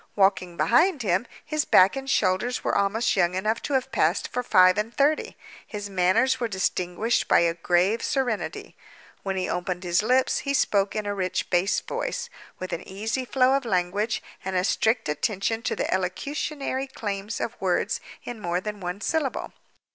Walking behind him, his back and shoulders were almost young enough to have passed for five and thirty. His manners were distinguished by a grave serenity. When he opened his lips, he spoke in a rich bass voice, with an easy flow of language, and a strict attention to the elocutionary claims of words in more than one syllable.